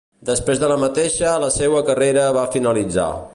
Després de la mateixa la seua carrera va finalitzar.